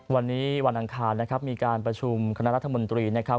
วันนี้วันอังคารนะครับมีการประชุมคณะรัฐมนตรีนะครับ